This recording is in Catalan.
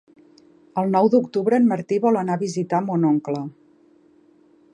El nou d'octubre en Martí vol anar a visitar mon oncle.